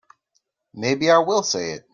Maybe I will say it.